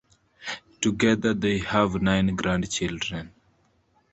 Together they have nine grandchildren.